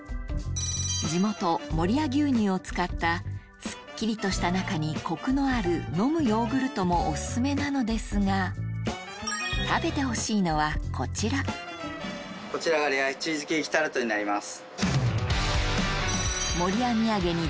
地元守谷牛乳を使ったすっきりとした中にコクのあるのむヨーグルトもオススメなのですが食べてほしいのはこちらレアチーズケーキタルトになります。